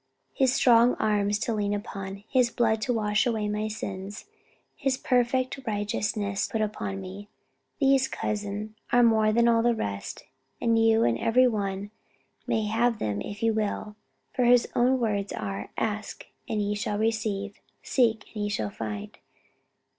His strong arm to lean upon; His blood to wash away my sins. His perfect righteousness put upon me. These, cousin, are more than all the rest, and you and every one may have them if you will; for His own words are, 'Ask, and ye shall receive; seek and ye shall find.'